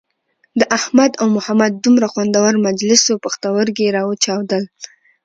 د احمد او محمد دومره خوندور مجلس وو پوښتورگي یې را وچاودل.